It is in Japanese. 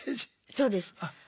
そうです。